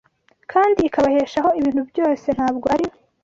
kandi ikabeshaho ibintu byose ntabwo ari